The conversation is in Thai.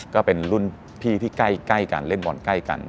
ก็เป็นรุ่นพี่ที่ใกล้กันเล่นบอลใกล้กัน